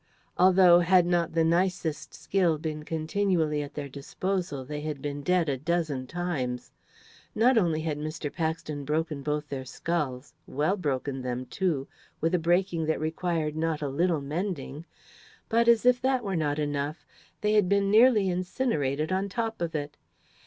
Although, had not the nicest skill been continually at their disposal, they had been dead a dozen times. Not only had Mr. Paxton broken both their skulls well broken them too with a breaking that required not a little mending; but, as if that were not enough, they had been nearly incinerated on top of it.